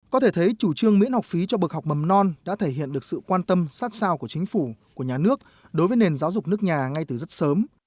có thể thấy chủ trương miễn học phí cho bực học mầm non đã thể hiện được sự quan tâm sát sao của chính phủ của nhà nước đối với nền giáo dục nước nhà ngay từ rất sớm